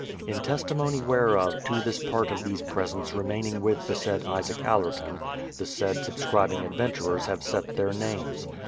In testimony whereof to this part of these presents remaining with the said Isaac Allerton, the said subscribing adventurers have set their names